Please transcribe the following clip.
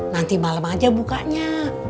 nanti malem aja bukanya